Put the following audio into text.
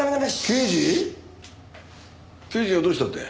刑事がどうしたって？